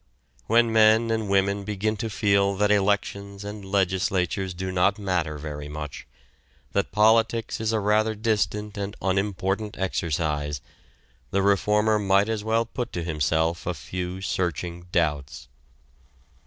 When men and women begin to feel that elections and legislatures do not matter very much, that politics is a rather distant and unimportant exercise, the reformer might as well put to himself a few searching doubts.